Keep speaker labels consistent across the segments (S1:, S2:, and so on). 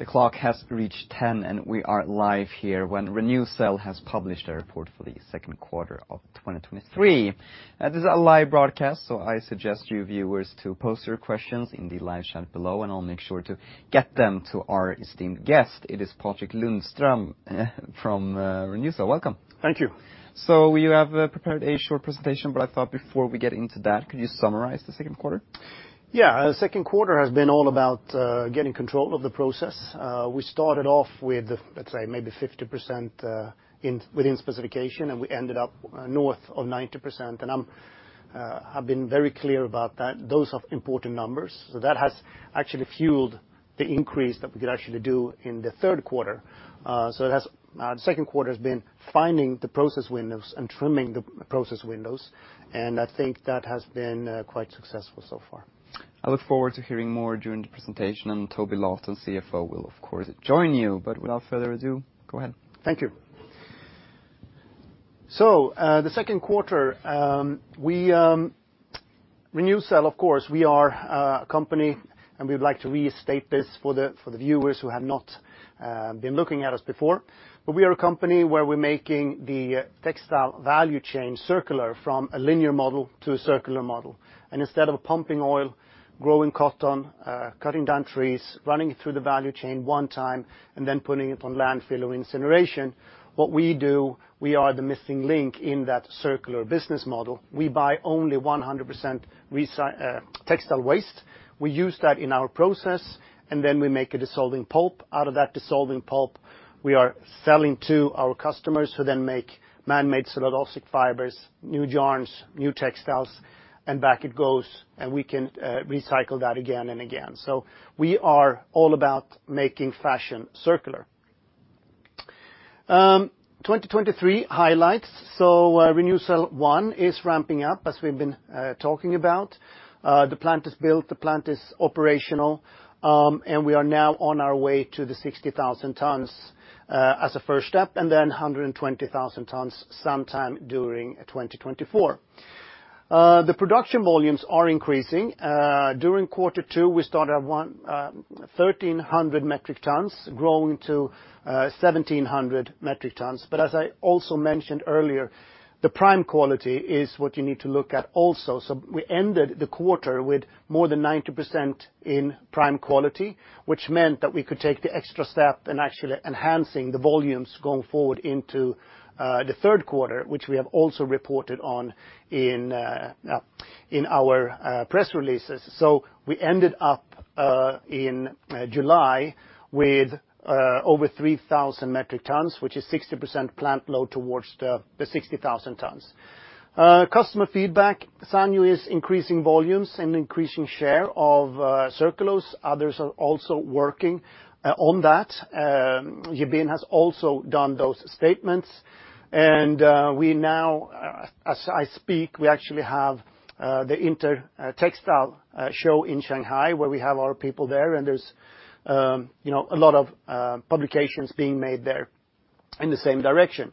S1: The clock has reached 10, and we are live here when Re:NewCell has published their report for the second quarter of 2023. This is a live broadcast, so I suggest you viewers to post your questions in the live chat below, and I'll make sure to get them to our esteemed guest. It is Patrik Lundström from Re:NewCell. Welcome.
S2: Thank you.
S1: You have prepared a short presentation, but I thought before we get into that, could you summarize the second quarter?
S2: Yeah. Second quarter has been all about getting control of the process. We started off with, let's say maybe 50% within specification, and we ended up north of 90%. I've been very clear about that. Those are important numbers. That has actually fueled the increase that we could actually do in the third quarter. The second quarter has been finding the process windows and trimming the process windows, and I think that has been quite successful so far.
S1: I look forward to hearing more during the presentation. Toby Lawton, CFO, will of course, join you. Without further ado, go ahead.
S2: Thank you. The second quarter, Re:NewCell, of course, we are a company. We would like to restate this for the viewers who have not been looking at us before. We are a company where we're making the textile value chain circular from a linear model to a circular model. Instead of pumping oil, growing cotton, cutting down trees, running it through the value chain one time, then putting it on landfill or incineration, what we do, we are the missing link in that circular business model. We buy only 100% textile waste. We use that in our process, and then we make a dissolving pulp. Out of that dissolving pulp, we are selling to our customers who then make man-made cellulosic fibers, new yarns, new textiles, and back it goes. We can recycle that again and again. We are all about making fashion circular. 2023 highlights. Renewcell 1 is ramping up, as we've been talking about. The plant is built, the plant is operational, and we are now on our way to the 60,000 tons as a first step, then 120,000 tons sometime during 2024. The production volumes are increasing. During quarter two, we started at 1,300 metric tons, growing to 1,700 metric tons. As I also mentioned earlier, the prime quality is what you need to look at also. We ended the quarter with more than 90% in prime quality, which meant that we could take the extra step and actually enhancing the volumes going forward into the third quarter, which we have also reported on in our press releases. We ended up in July with over 3,000 metric tons, which is 60% plant load towards the 60,000 tons. Customer feedback. Tangshan Sanyou is increasing volumes and increasing share of Circulose. Others are also working on that. Yibin has also done those statements. We now, as I speak, we actually have the Intertextile Shanghai Apparel Fabrics where we have our people there, and there's a lot of publications being made there in the same direction.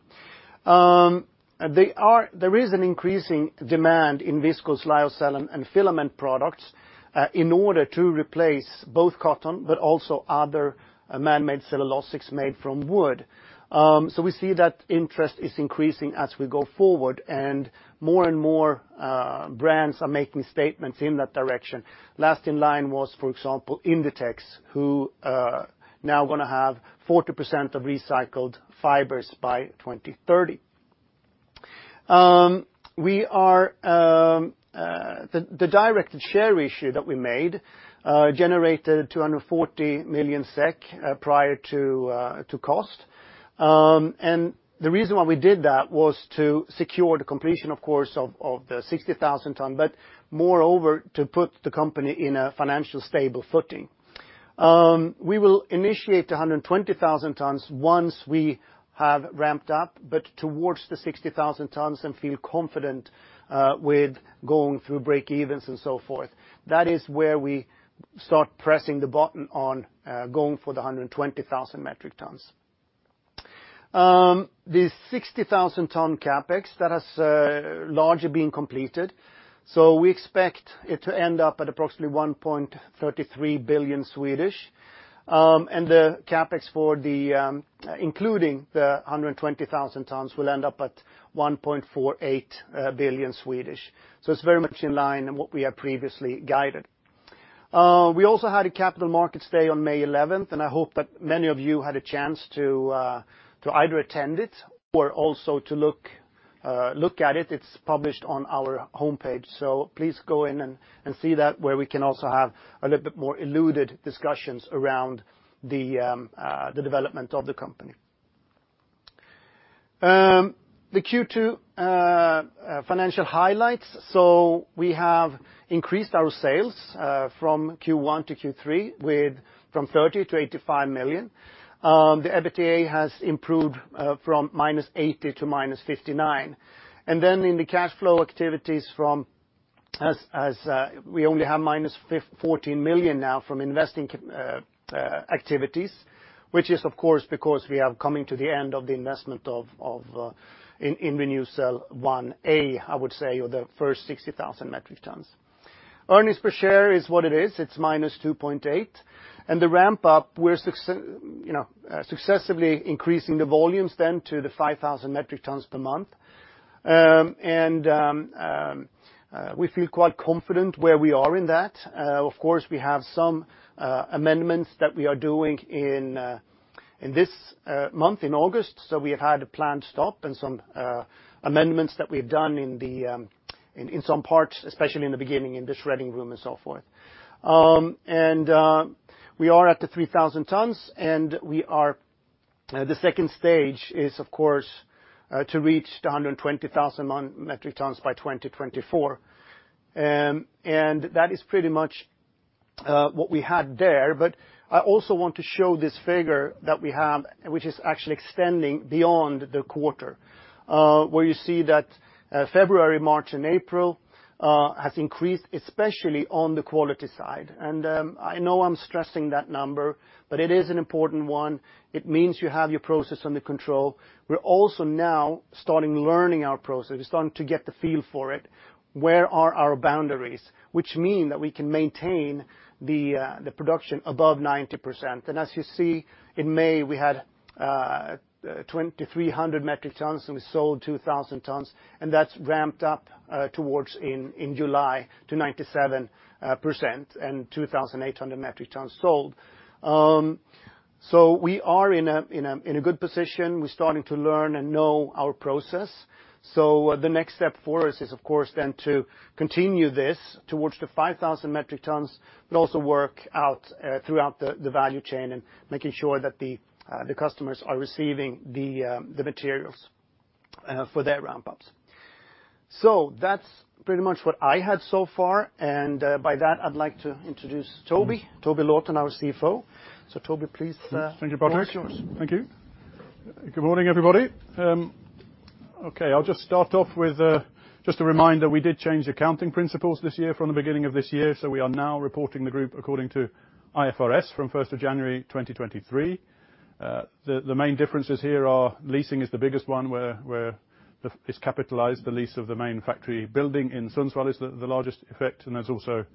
S2: There is an increasing demand in viscose lyocell and filament products in order to replace both cotton but also other man-made cellulosics made from wood. We see that interest is increasing as we go forward. More and more brands are making statements in that direction. Last in line was, for example, Inditex, who are now going to have 40% of recycled fibers by 2030. The directed share issue that we made generated 240 million SEK prior to cost. The reason why we did that was to secure the completion, of course, of the 60,000 ton, but moreover, to put the company in a financial stable footing. We will initiate 120,000 tons once we have ramped up, but towards the 60,000 tons and feel confident with going through break-evens and so forth. That is where we start pressing the button on going for the 120,000 metric tons. The 60,000 ton CapEx, that has largely been completed. We expect it to end up at approximately 1.33 billion. The CapEx including the 120,000 tons, will end up at 1.48 billion. It's very much in line in what we have previously guided. We also had a Capital Markets Day on May 11th, and I hope that many of you had a chance to either attend it or also to look at it. It's published on our homepage. Please go in and see that where we can also have a little bit more alluded discussions around the development of the company. The Q2 financial highlights. We have increased our sales from Q1 to Q3 with from 30 million to 85 million. The EBITDA has improved from -80 million to -59 million. Then in the cash flow activities as we only have -14 million now from investing activities Which is, of course, because we are coming to the end of the investment in Renewcell 1A, I would say, or the first 60,000 metric tons. Earnings per share is what it is. It's -2.8. The ramp-up, we're successfully increasing the volumes then to the 5,000 metric tons per month. We feel quite confident where we are in that. Of course, we have some amendments that we are doing in this month, in August, so we have had a planned stop and some amendments that we've done in some parts, especially in the beginning, in the shredding room and so forth. We are at the 3,000 tons, and the stage 2 is, of course, to reach the 120,000 metric tons by 2024. That is pretty much what we had there, but I also want to show this figure that we have, which is actually extending beyond the quarter, where you see that February, March, and April has increased, especially on the quality side. I know I'm stressing that number, but it is an important one. It means you have your process under control. We're also now starting learning our process, starting to get the feel for it. Where are our boundaries? Which mean that we can maintain the production above 90%. As you see, in May, we had 2,300 metric tons, and we sold 2,000 tons, and that's ramped up towards in July to 97%, and 2,800 metric tons sold. We are in a good position. We're starting to learn and know our process. The next step for us is, of course, then to continue this towards the 5,000 metric tons, but also work out throughout the value chain and making sure that the customers are receiving the materials for their ramp-ups. That's pretty much what I had so far, and by that, I'd like to introduce Toby Lawton, our CFO. Toby, please
S3: Thank you, Patrik.
S2: Floor is yours.
S3: Thank you. Good morning, everybody. Okay. I'll just start off with just a reminder, we did change accounting principles this year from the beginning of this year, we are now reporting the group according to IFRS from 1st of January 2023. The main differences here are leasing is the biggest one, where it's capitalized the lease of the main factory building in Sundsvall is the largest effect, and there's also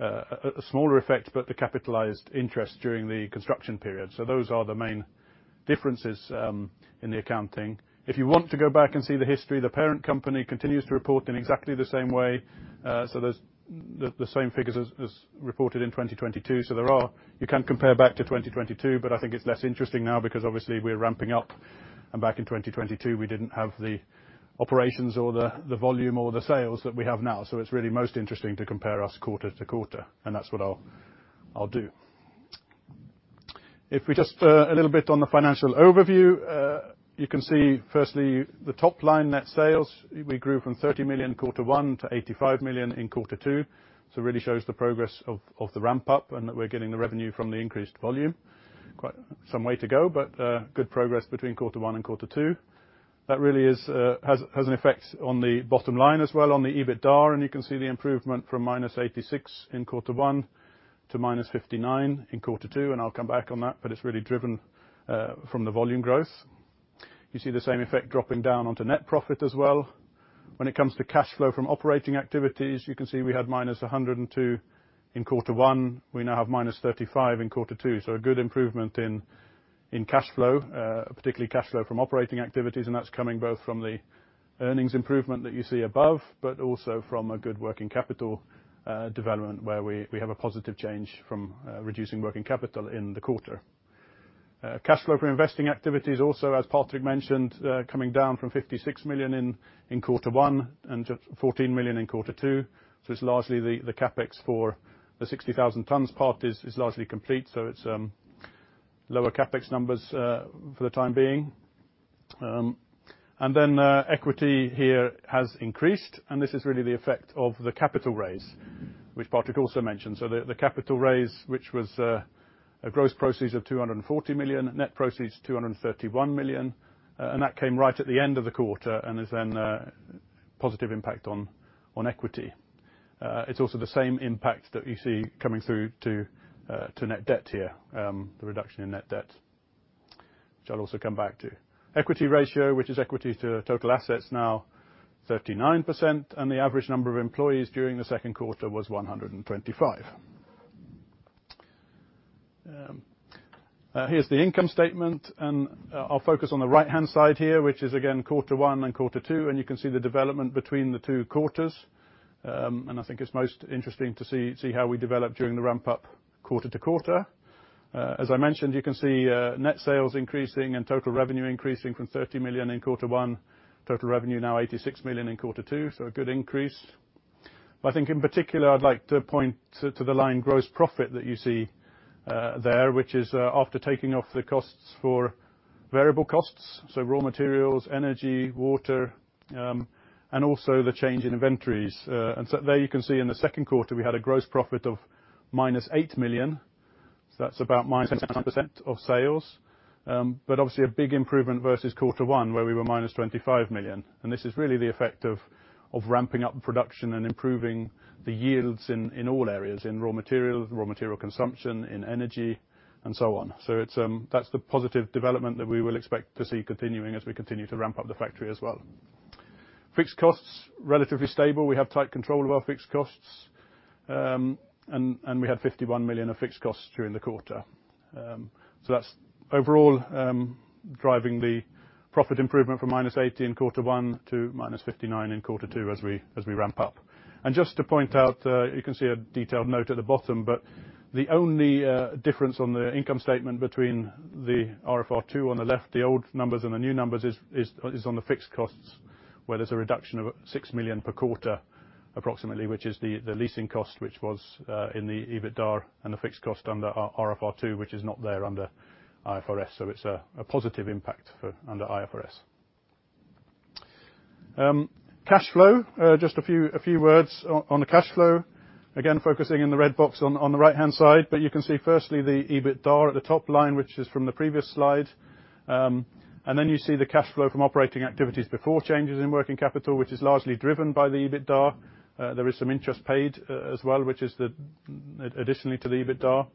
S3: a smaller effect, but the capitalized interest during the construction period. Those are the main differences in the accounting. If you want to go back and see the history, the parent company continues to report in exactly the same way, the same figures as reported in 2022. You can compare back to 2022, but I think it's less interesting now because obviously we're ramping up, and back in 2022, we didn't have the operations or the volume or the sales that we have now. It's really most interesting to compare us quarter to quarter, and that's what I'll do. If we just a little bit on the financial overview. You can see, firstly, the top line net sales, we grew from 30 million quarter one to 85 million in quarter two, really shows the progress of the ramp-up, and that we're getting the revenue from the increased volume. Quite some way to go, but good progress between quarter one and quarter two. That really has an effect on the bottom line as well on the EBITDAR, and you can see the improvement from -86 in quarter one to -59 in quarter two. I will come back on that, but it is really driven from the volume growth. You see the same effect dropping down onto net profit as well. When it comes to cash flow from operating activities, you can see we had -102 in quarter one. We now have -35 in quarter two, so a good improvement in cash flow, particularly cash flow from operating activities, and that is coming both from the earnings improvement that you see above, but also from a good working capital development where we have a positive change from reducing working capital in the quarter. Cash flow from investing activities also, as Patrik mentioned, coming down from 56 million in quarter one and to 14 million in quarter two. It is largely the CapEx for the 60,000 tons part is largely complete, so it is lower CapEx numbers for the time being. Equity here has increased, and this is really the effect of the capital raise, which Patrik also mentioned. The capital raise, which was a gross proceeds of 240 million, net proceeds 231 million, and that came right at the end of the quarter and is then a positive impact on equity. It is also the same impact that you see coming through to net debt here, the reduction in net debt, which I will also come back to. Equity ratio, which is equity to total assets, now 39%, and the average number of employees during the second quarter was 125. Here is the income statement, and I will focus on the right-hand side here, which is again, quarter one and quarter two, and you can see the development between the two quarters. I think it is most interesting to see how we develop during the ramp-up quarter to quarter. As I mentioned, you can see net sales increasing and total revenue increasing from 30 million in quarter one, total revenue now 86 million in quarter two, so a good increase. But I think in particular, I would like to point to the line gross profit that you see there, which is after taking off the costs for variable costs, so raw materials, energy, water, and also the change in inventories. There you can see in the second quarter, we had a gross profit of -8 million, so that is about -100% of sales. Obviously, a big improvement versus quarter one where we were -25 million. This is really the effect of ramping up production and improving the yields in all areas, in raw materials, raw material consumption, in energy, and so on. That is the positive development that we will expect to see continuing as we continue to ramp up the factory as well. Fixed costs, relatively stable. We have tight control of our fixed costs, and we had 51 million of fixed costs during the quarter. That is overall driving the profit improvement from -18 quarter one to -59 in quarter two as we ramp up. Just to point out, you can see a detailed note at the bottom, the only difference on the income statement between the RFR2 on the left, the old numbers, and the new numbers is on the fixed costs where there's a reduction of 6 million per quarter approximately, which is the leasing cost, which was in the EBITDA and the fixed cost under RFR2, which is not there under IFRS. It's a positive impact under IFRS. Cash flow. Just a few words on the cash flow. Focusing on the red box on the right-hand side. You can see firstly the EBITDA at the top line, which is from the previous slide. Then you see the cash flow from operating activities before changes in working capital, which is largely driven by the EBITDA. There is some interest paid as well, which is additionally to the EBITDA.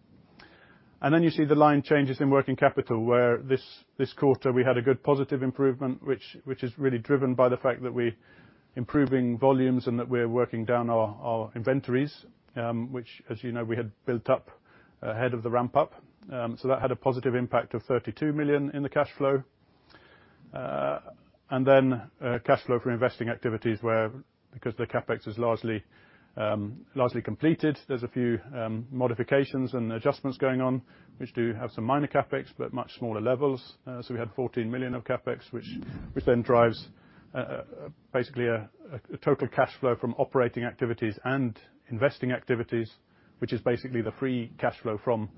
S3: Then you see the line changes in working capital, where this quarter we had a good positive improvement, which is really driven by the fact that we're improving volumes and that we're working down our inventories, which as you know, we had built up ahead of the ramp-up. That had a positive impact of 32 million in the cash flow. Then cash flow for investing activities where, because the CapEx is largely completed, there's a few modifications and adjustments going on, which do have some minor CapEx, but much smaller levels. We had 14 million of CapEx, which then drives basically a total cash flow from operating activities and investing activities, which is basically the free cash flow from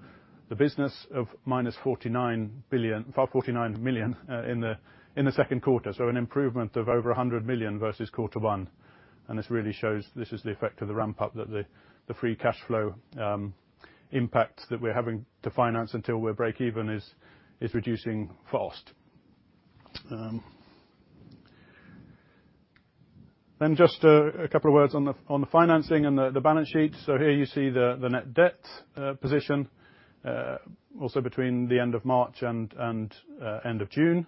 S3: the business of minus 49 million in the second quarter. An improvement of over 100 million versus quarter one. This really shows this is the effect of the ramp-up, that the free cash flow impact that we're having to finance until we're breakeven is reducing fast. Just a couple of words on the financing and the balance sheet. Here you see the net debt position, also between the end of March and end of June.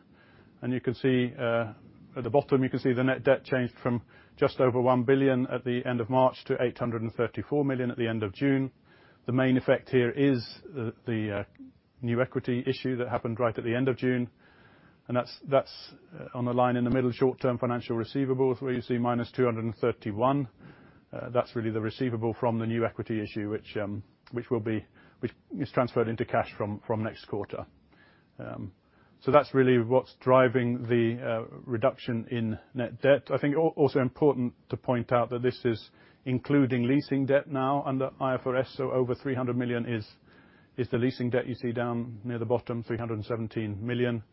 S3: At the bottom, you can see the net debt changed from just over 1 billion at the end of March to 834 million at the end of June. The main effect here is the new equity issue that happened right at the end of June, that's on the line in the middle, short-term financial receivables where you see minus 231. That's really the receivable from the new equity issue, which is transferred into cash from next quarter. That's really what's driving the reduction in net debt. I think also important to point out that this is including leasing debt now under IFRS. Over 300 million is the leasing debt you see down near the bottom, 317 million.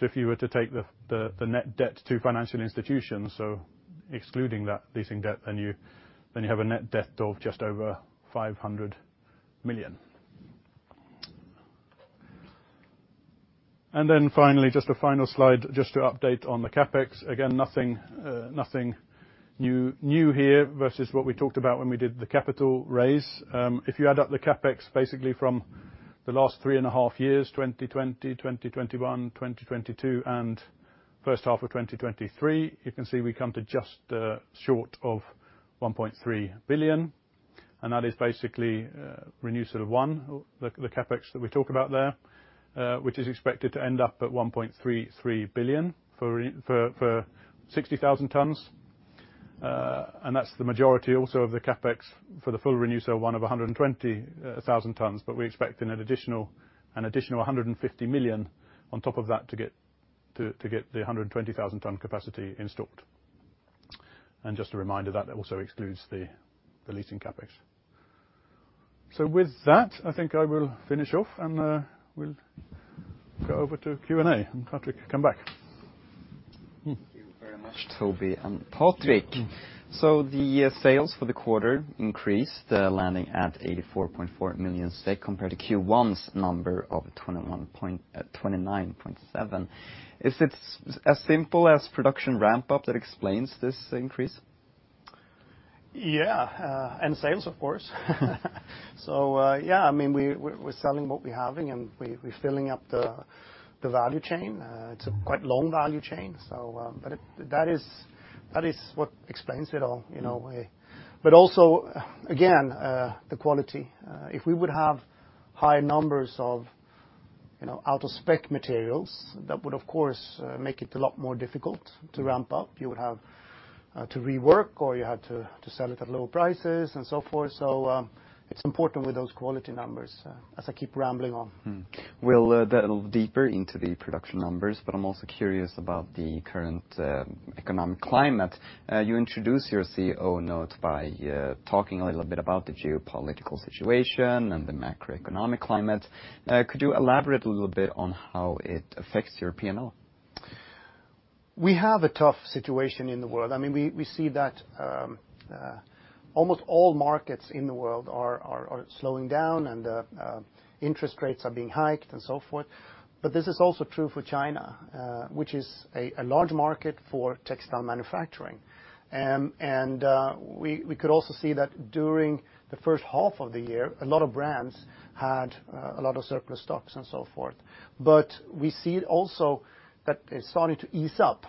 S3: If you were to take the net debt to financial institutions, excluding that leasing debt, you have a net debt of just over 500 million. Then finally, just a final slide just to update on the CapEx. Nothing new here versus what we talked about when we did the capital raise. If you add up the CapEx basically from the last three and a half years, 2020, 2021, 2022, and first half of 2023, you can see we come to just short of 1.3 billion, that is basically Renewcell 1, the CapEx that we talk about there, which is expected to end up at 1.33 billion for 60,000 tons. That's the majority also of the CapEx for the full Renewcell 1 of 120,000 tons. We're expecting an additional 150 million on top of that to get the 120,000 ton capacity installed. Just a reminder, that also excludes the leasing CapEx. With that, I think I will finish off, and we'll go over to Q&A, and Patrik can come back.
S1: Thank you very much, Toby and Patrik. The sales for the quarter increased, landing at 84.4 million compared to Q1's number of 29.7 million. Is it as simple as production ramp-up that explains this increase?
S2: Yeah. Sales, of course. Yeah, we're selling what we having, and we're filling up the value chain. It's a quite long value chain. That is what explains it all in a way. Also, again, the quality. If we would have high numbers of out-of-spec materials, that would of course make it a lot more difficult to ramp up. You would have to rework or you had to sell it at lower prices and so forth. It's important with those quality numbers, as I keep rambling on.
S1: We'll delve deeper into the production numbers, but I'm also curious about the current economic climate. You introduce your CEO notes by talking a little bit about the geopolitical situation and the macroeconomic climate. Could you elaborate a little bit on how it affects your P&L?
S2: We have a tough situation in the world. We see that almost all markets in the world are slowing down, interest rates are being hiked and so forth. This is also true for China, which is a large market for textile manufacturing. We could also see that during the first half of the year, a lot of brands had a lot of surplus stocks and so forth. We see also that it's starting to ease up,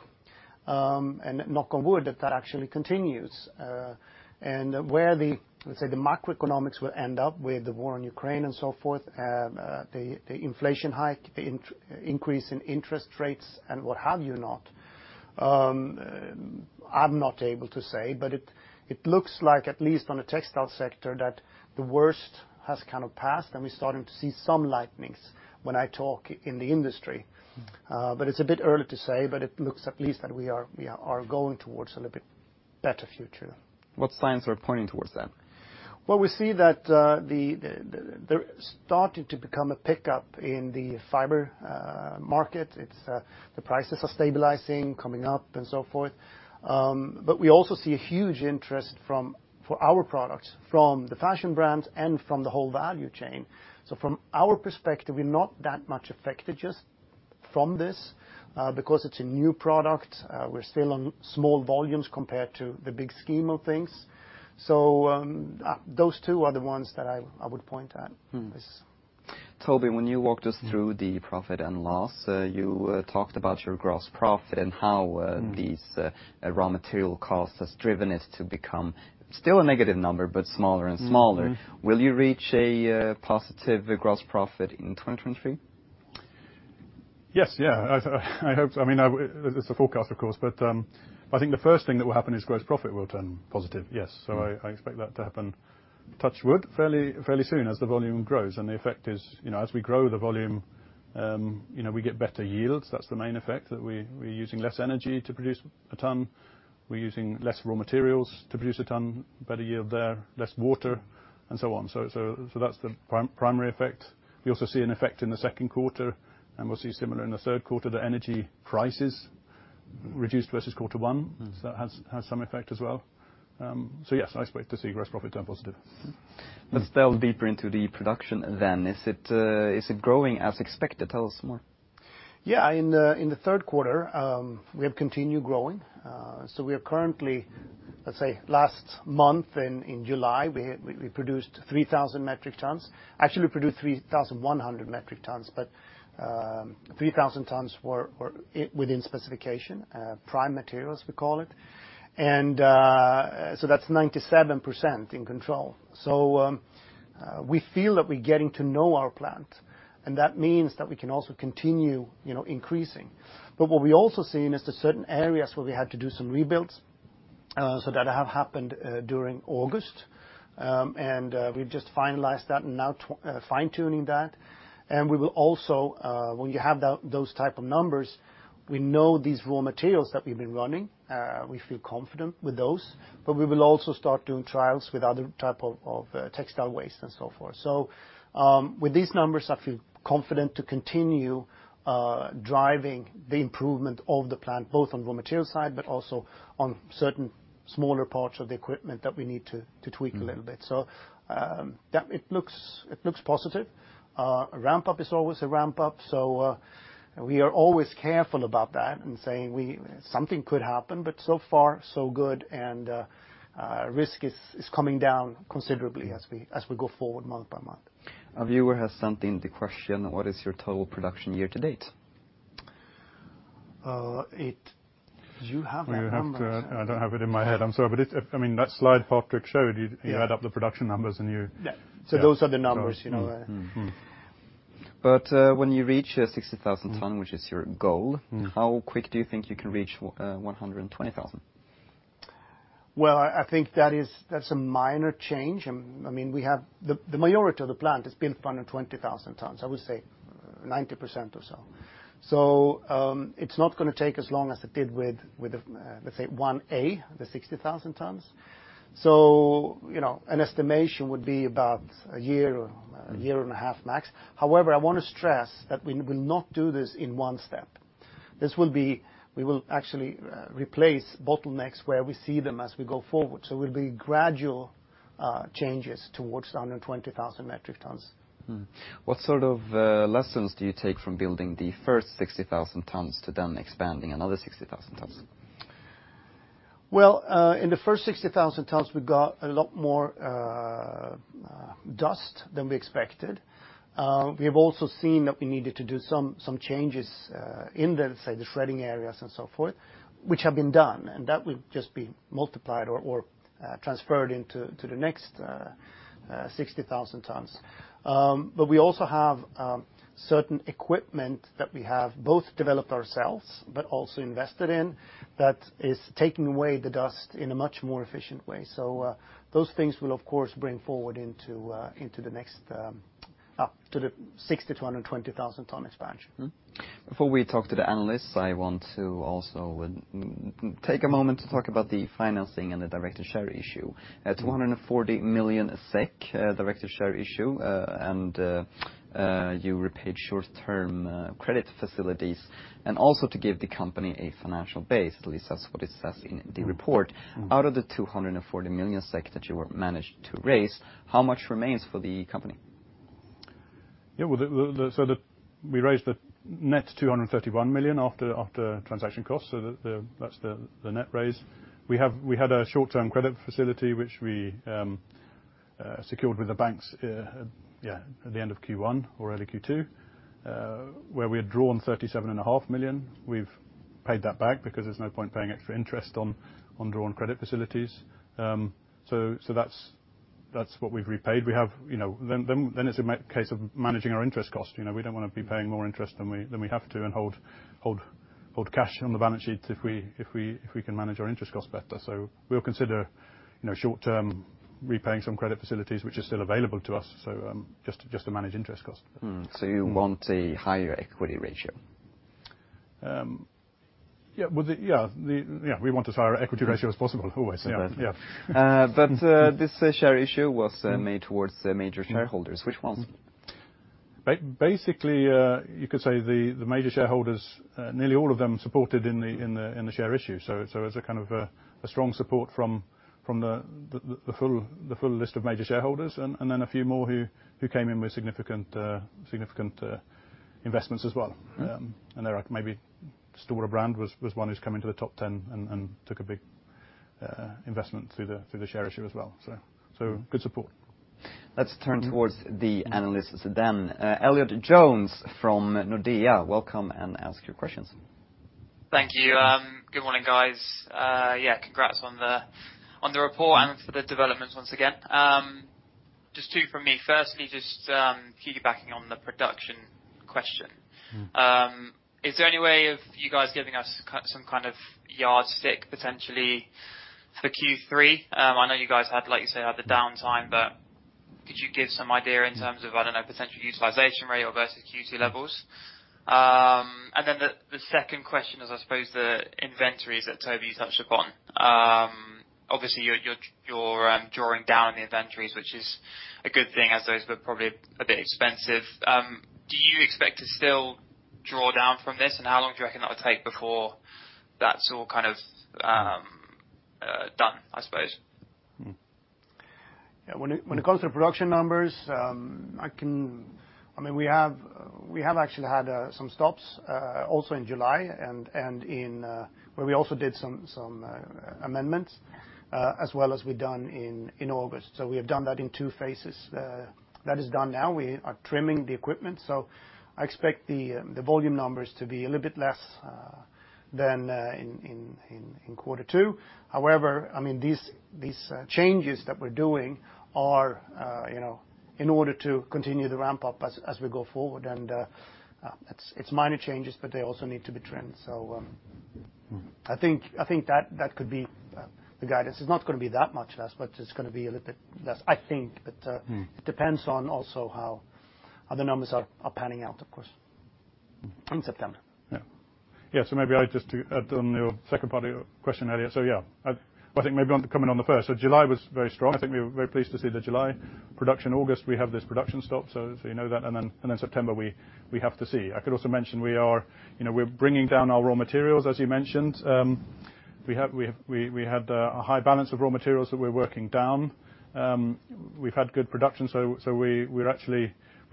S2: and knock on wood, that that actually continues. Where the, let's say, the macroeconomics will end up with the war in Ukraine and so forth, the inflation hike, increase in interest rates, and what have you not, I'm not able to say. It looks like, at least on the textile sector, that the worst has kind of passed, and we're starting to see some lights when I talk in the industry. It's a bit early to say, it looks at least that we are going towards a little bit better future.
S1: What signs are pointing towards that?
S2: Well, we see that there's starting to become a pickup in the fiber market. The prices are stabilizing, coming up, and so forth. We also see a huge interest for our products from the fashion brands and from the whole value chain. From our perspective, we're not that much affected just from this, because it's a new product. We're still on small volumes compared to the big scheme of things. Those two are the ones that I would point at. Yes.
S1: Toby, when you walked us through the profit and loss, you talked about your gross profit and how these raw material costs has driven it to become still a negative number, but smaller and smaller. Will you reach a positive gross profit in 2023?
S3: Yes. I hope so. It's a forecast, of course, but I think the first thing that will happen is gross profit will turn positive. Yes. I expect that to happen, touch wood, fairly soon as the volume grows. The effect is, as we grow the volume, we get better yields. That's the main effect, that we're using less energy to produce a ton. We're using less raw materials to produce a ton, better yield there, less water, and so on. That's the primary effect. We also see an effect in the second quarter, and we'll see similar in the third quarter. The energy prices reduced versus quarter one, it has some effect as well. Yes, I expect to see gross profit turn positive.
S1: Let's delve deeper into the production then. Is it growing as expected? Tell us more.
S2: In the third quarter, we have continued growing. We are currently, let's say last month in July, we produced 3,000 metric tons. Actually, we produced 3,100 metric tons, but 3,000 tons were within specification, prime material, as we call it. That's 97% in control. We feel that we're getting to know our plant, and that means that we can also continue increasing. What we also seen is the certain areas where we had to do some rebuilds, that have happened during August. We've just finalized that and now fine-tuning that. We will also, when you have those type of numbers, we know these raw materials that we've been running, we feel confident with those, but we will also start doing trials with other type of textile waste and so forth. With these numbers, I feel confident to continue driving the improvement of the plant, both on raw material side, but also on certain smaller parts of the equipment that we need to tweak a little bit. It looks positive. A ramp-up is always a ramp-up, we are always careful about that and saying something could happen, so far so good, risk is coming down considerably as we go forward month by month.
S1: A viewer has sent in the question, "What is your total production year to date?
S2: You have that number.
S3: I don't have it in my head. I'm sorry. That slide Patrik showed.
S2: Yeah
S3: You add up the production numbers and you.
S2: Yeah. Those are the numbers.
S1: Mm-hmm. When you reach 60,000 ton, which is your goal. How quick do you think you can reach 120,000?
S2: Well, I think that's a minor change. The majority of the plant is built for 120,000 tons, I would say 90% or so. It's not going to take as long as it did with, let's say 1A, the 60,000 tons. An estimation would be about a year or a year and a half max. However, I want to stress that we will not do this in one step. We will actually replace bottlenecks where we see them as we go forward. It will be gradual changes towards the 120,000 metric tons.
S1: Hmm. What sort of lessons do you take from building the first 60,000 tons to then expanding another 60,000 tons?
S2: Well, in the first 60,000 tons, we got a lot more dust than we expected. We have also seen that we needed to do some changes in, let's say, the shredding areas and so forth, which have been done, and that will just be multiplied or transferred into the next 60,000 tons. We also have certain equipment that we have both developed ourselves but also invested in that is taking away the dust in a much more efficient way. Those things we'll, of course, bring forward into the next up to the 60,000-120,000 ton expansion.
S1: Before we talk to the analysts, I want to also take a moment to talk about the financing and the directed share issue. It's 240 million SEK directed share issue, and you repaid short-term credit facilities, and also to give the company a financial base, at least that's what it says in the report. Out of the 240 million SEK that you managed to raise, how much remains for the company?
S3: Yeah. We raised a net 231 million after transaction costs, so that's the net raise. We had a short-term credit facility, which we secured with the banks at the end of Q1 or early Q2, where we had drawn 37.5 million. We've paid that back because there's no point paying extra interest on drawn credit facilities. That's what we've repaid. It's a case of managing our interest cost. We don't want to be paying more interest than we have to and hold cash on the balance sheet if we can manage our interest costs better. We'll consider short-term repaying some credit facilities, which are still available to us, just to manage interest costs.
S1: You want a higher equity ratio?
S3: Yeah. We want as high equity ratio as possible, always. Yeah.
S1: This share issue was made towards the major shareholders. Which ones?
S3: Basically, you could say the major shareholders, nearly all of them supported in the share issue. It was a strong support from the full list of major shareholders, and then a few more who came in with significant investments as well. There maybe Stora Enso brand was one who's come into the top 10 and took a big investment through the share issue as well. Good support.
S1: Let's turn towards the analysts then. Elliott Jones from Nordea, welcome and ask your questions.
S4: Thank you. Good morning, guys. Congrats on the report and for the developments once again. Just two from me. Firstly, just piggybacking on the production question. Is there any way of you guys giving us some kind of yardstick potentially for Q3? I know you guys had, like you say, had the downtime, but could you give some idea in terms of, I don't know, potential utilization rate or versus Q2 levels? The second question is, I suppose the inventories that Toby you touched upon. Obviously, you're drawing down the inventories, which is a good thing as those were probably a bit expensive. Do you expect to still draw down from this? How long do you reckon that'll take before that's all done, I suppose?
S2: When it comes to production numbers, we have actually had some stops, also in July where we also did some amendments, as well as we've done in August. We have done that in two phases. That is done now. We are trimming the equipment. I expect the volume numbers to be a little bit less than in quarter two. However, these changes that we're doing are in order to continue the ramp up as we go forward. It's minor changes, but they also need to be trimmed. I think that could be the guidance. It's not going to be that much less, but it's going to be a little bit less, I think. It depends on also how the numbers are panning out, of course, in September.
S3: Yeah. Maybe I just to add on your second part of your question, Elliott. Yeah, I think maybe I want to comment on the first. July was very strong. I think we were very pleased to see the July production. August, we have this production stop, so you know that. September we have to see. I could also mention we're bringing down our raw materials, as you mentioned. We had a high balance of raw materials that we're working down. We've had good production,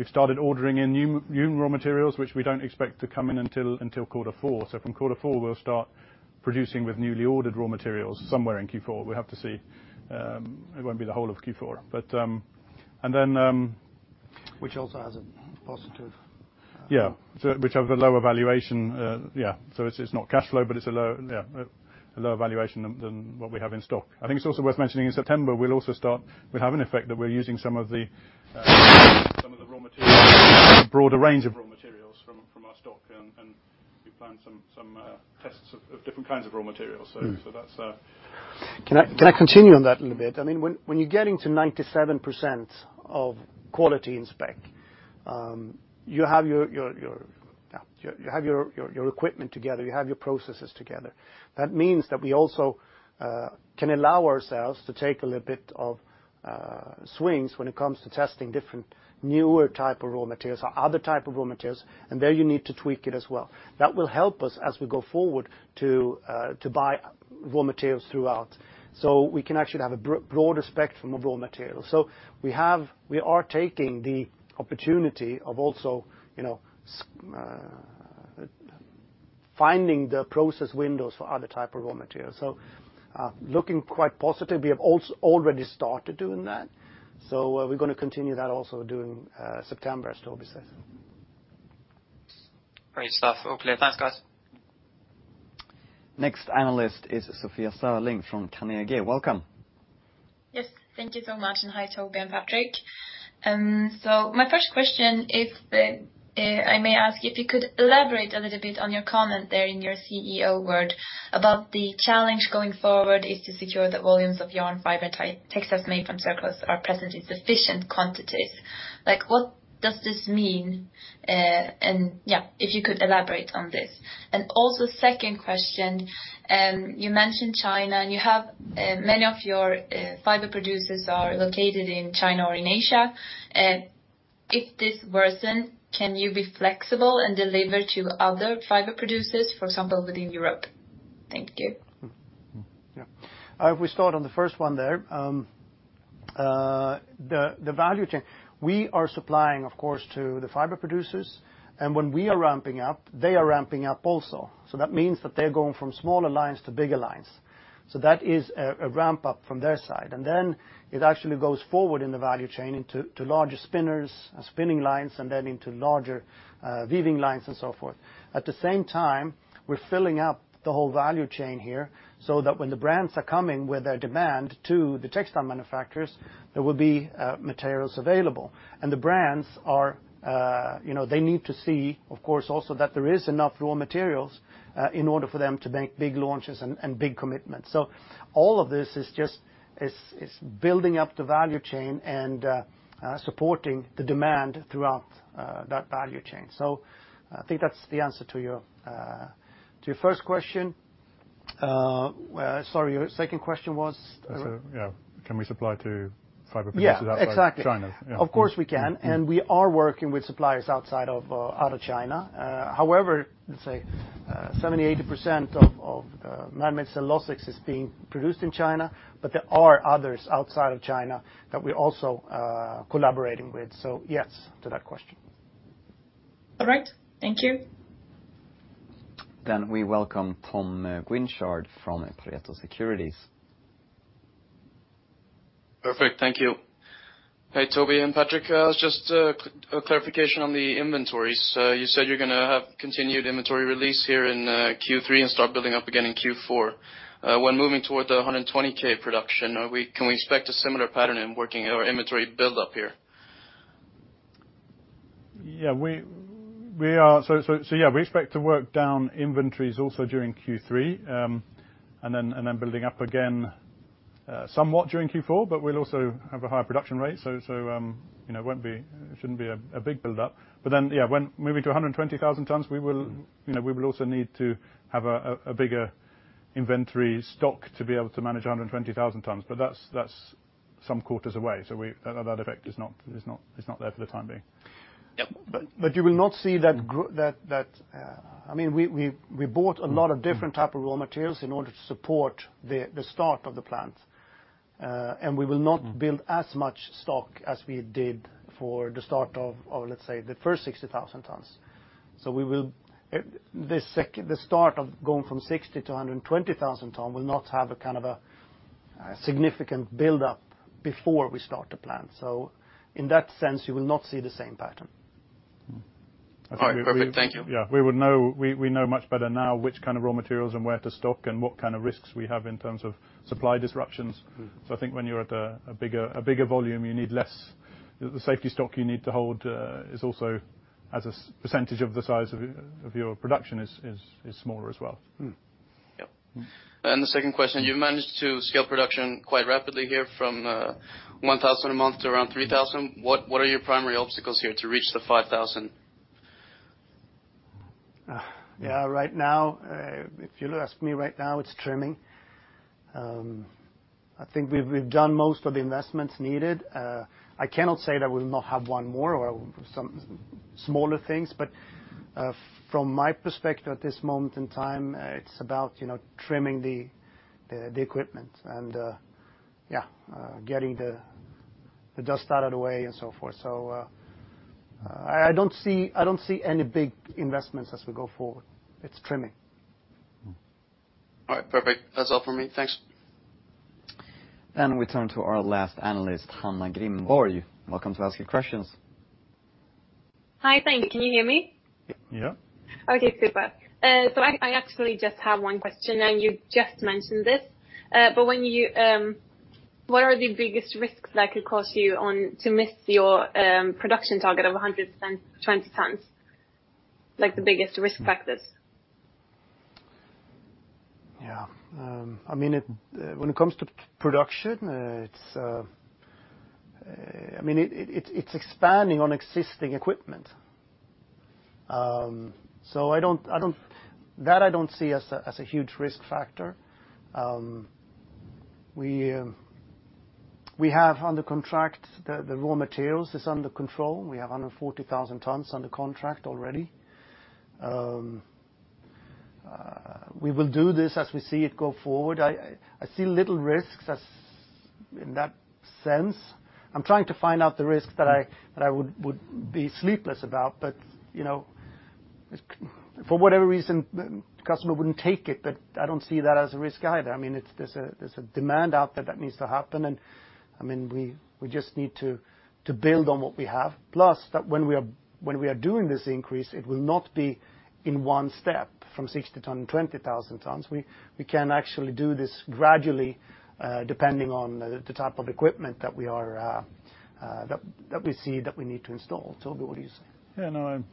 S3: we've started ordering in new raw materials, which we don't expect to come in until quarter four. From quarter four, we'll start producing with newly ordered raw materials somewhere in Q4. We have to see. It won't be the whole of Q4.
S2: Which also has a positive-
S3: Yeah. Which have a lower valuation. Yeah. It's not cash flow, but it's a low valuation than what we have in stock. I think it's also worth mentioning, in September, we'll have an effect that we're using some of the raw materials, a broader range of raw materials from our stock, and we plan some tests of different kinds of raw materials. That's-
S2: Can I continue on that a little bit? When you're getting to 97% of quality in spec, you have your equipment together, you have your processes together. That means that we also can allow ourselves to take a little bit of swings when it comes to testing different newer type of raw materials or other type of raw materials, and there you need to tweak it as well. That will help us as we go forward to buy raw materials throughout. We can actually have a broader spectrum of raw materials. We are taking the opportunity of also finding the process windows for other type of raw materials. Looking quite positive. We have already started doing that. We're going to continue that also during September, as Toby said.
S4: Great stuff. All clear. Thanks, guys.
S1: Next analyst is Sofia Särling from Carnegie. Welcome.
S5: Yes. Thank you so much, and hi, Toby and Patrik. My first question, if I may ask, if you could elaborate a little bit on your comment there in your CEO word about the challenge going forward is to secure the volumes of yarn fiber type, textiles made from Circulose are present in sufficient quantities. What does this mean? Yeah, if you could elaborate on this. Also second question, you mentioned China, you have many of your fiber producers are located in China or in Asia. If this worsens, can you be flexible and deliver to other fiber producers, for example, within Europe? Thank you.
S2: Yeah. If we start on the first one there. The value chain. We are supplying, of course, to the fiber producers, and when we are ramping up, they are ramping up also. That means that they're going from smaller lines to bigger lines. That is a ramp-up from their side. Then it actually goes forward in the value chain into larger spinners, spinning lines, and then into larger weaving lines and so forth. At the same time, we're filling up the whole value chain here, that when the brands are coming with their demand to the textile manufacturers, there will be materials available. The brands are, they need to see, of course, also that there is enough raw materials, in order for them to make big launches and big commitments. All of this is just building up the value chain and supporting the demand throughout that value chain. I think that's the answer to your first question. Sorry, your second question was?
S3: Can we supply to fiber producers outside China?
S2: Yeah. Exactly. Of course, we can. We are working with suppliers out of China. However, let's say 70, 80% of man-made cellulose is being produced in China, there are others outside of China that we're also collaborating with. Yes to that question.
S5: All right. Thank you.
S1: We welcome Tomas Guinchard from Pareto Securities.
S6: Perfect. Thank you. Hey, Toby and Patrik, just a clarification on the inventories. You said you're going to have continued inventory release here in Q3 and start building up again in Q4. When moving toward the 120,000 production, can we expect a similar pattern in working our inventory build-up here?
S3: Yeah, we expect to work down inventories also during Q3, building up again somewhat during Q4, we'll also have a higher production rate. It shouldn't be a big build-up. Yeah, when moving to 120,000 tons, we will also need to have a bigger inventory stock to be able to manage 120,000 tons. That's some quarters away. That effect is not there for the time being.
S2: Yeah. You will not see that. We bought a lot of different type of raw materials in order to support the start of the plant. We will not build as much stock as we did for the start of, let's say, the first 60,000 tons. The start of going from 60 to 120,000 tons will not have a kind of a significant build-up before we start the plant. In that sense, you will not see the same pattern.
S6: All right. Perfect. Thank you.
S3: Yeah. We know much better now which kind of raw materials and where to stock and what kind of risks we have in terms of supply disruptions. I think when you're at a bigger volume, you need less. The safety stock you need to hold is also as a % of the size of your production is smaller as well.
S6: Yep. The second question, you've managed to scale production quite rapidly here from 1,000 a month to around 3,000. What are your primary obstacles here to reach the 5,000?
S2: Yeah, if you ask me right now, it's trimming. I think we've done most of the investments needed. I cannot say that we'll not have one more or some smaller things, but from my perspective at this moment in time, it's about trimming the equipment and getting the dust out of the way and so forth. I don't see any big investments as we go forward. It's trimming.
S6: All right. Perfect. That's all for me. Thanks.
S1: We turn to our last analyst, Hanna Grimborg. Welcome to ask your questions.
S7: Hi, thanks. Can you hear me?
S3: Yeah.
S7: Okay, super. I actually just have one question, and you just mentioned this. What are the biggest risks that could cause you to miss your production target of 120 tons? Like the biggest risk factors.
S2: Yeah. When it comes to production, it's expanding on existing equipment. That I don't see as a huge risk factor. We have under contract, the raw materials is under control. We have 140,000 tons under contract already. We will do this as we see it go forward. I see little risks in that sense. I'm trying to find out the risks that I would be sleepless about. If for whatever reason, the customer wouldn't take it, I don't see that as a risk either. There's a demand out there that needs to happen. We just need to build on what we have. When we are doing this increase, it will not be in one step from 60,000 to 120,000 tons. We can actually do this gradually, depending on the type of equipment that we see that we need to install. Toby, what do you say?
S3: I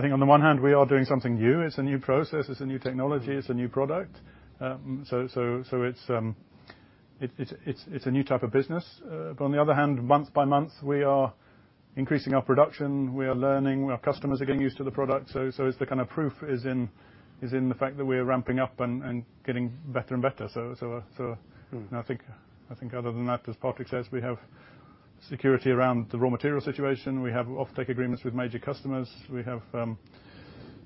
S3: think on the one hand, we are doing something new. It's a new process, it's a new technology, it's a new product. It's a new type of business. On the other hand, month by month, we are increasing our production, we are learning, our customers are getting used to the product. It's the kind of proof is in the fact that we are ramping up and getting better and better. I think other than that, as Patrik says, we have security around the raw material situation. We have offtake agreements with major customers.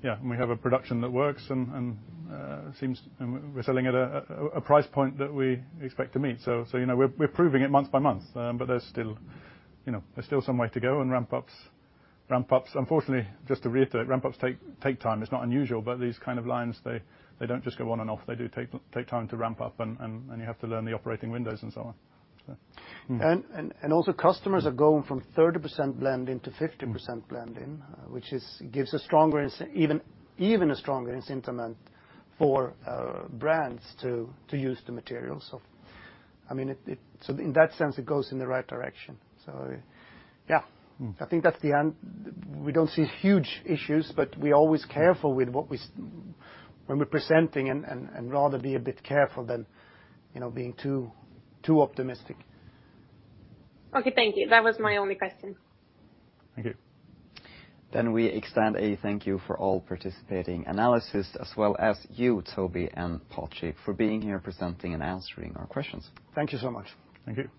S3: We have a production that works, and we're selling at a price point that we expect to meet. We're proving it month by month. There's still some way to go and ramp-ups. Unfortunately, just to reiterate, ramp-ups take time. It's not unusual, but these kind of lines, they don't just go on and off. They do take time to ramp up, and you have to learn the operating windows and so on.
S2: Also customers are going from 30% blending to 50% blending, which gives even a stronger incentive for brands to use the material. In that sense, it goes in the right direction. I think that's the end. We don't see huge issues, but we're always careful when we're presenting and rather be a bit careful than being too optimistic.
S7: Okay, thank you. That was my only question.
S3: Thank you.
S1: We extend a thank you for all participating analysts as well as you, Toby and Patrik, for being here presenting and answering our questions.
S2: Thank you so much.
S3: Thank you.